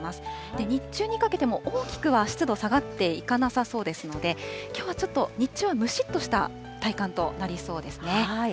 で、日中にかけても大きくは湿度、下がっていかなさそうですので、きょうはちょっと日中は蒸しっとした体感となりそうですね。